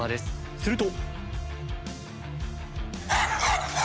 すると。